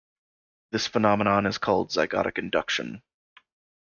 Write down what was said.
This phenomenon is called Zygotic induction.